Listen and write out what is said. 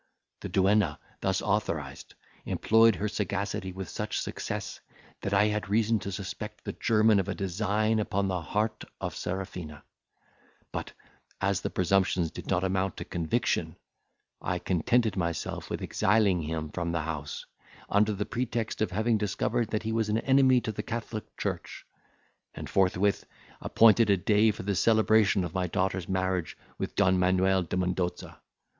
The duenna, thus authorised, employed her sagacity with such success, that I had reason to suspect the German of a design upon the heart of Serafina; but, as the presumptions did not amount to conviction, I contented myself with exiling him from my house, under the pretext of having discovered that he was an enemy to the Catholic church; and forthwith appointed a day for the celebration of my daughter's marriage with Don Manuel de Mendoza.